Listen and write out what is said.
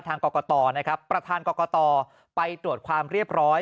ทางกรกตนะครับประธานกรกตไปตรวจความเรียบร้อย